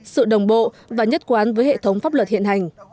sự đồng bộ và nhất quán với hệ thống pháp luật hiện hành